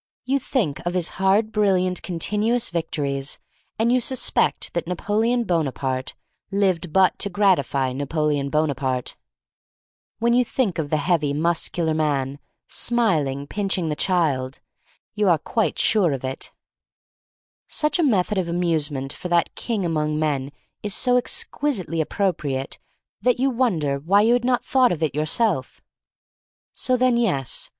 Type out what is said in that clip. You think of his hard, brilliant, continuous victories, and you suspect that Napo leon Bonaparte lived but to gratify Napoleon Bonaparte. When you think of the heavy, muscular man smilingly f r 244 THE STORY OF MARY MAC LANE pinching the child, you are quite sure of it. Such a method of amusement for that king among men is so ex quisitely appropriate that you wonder why you had not thought of it yourself. So, then, yes.